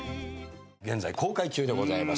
現在公開中でございます。